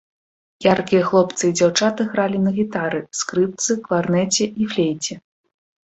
Яркія хлопцы і дзяўчаты гралі на гітары, скрыпцы, кларнеце і флейце.